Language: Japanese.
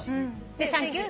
で「サンキュー」？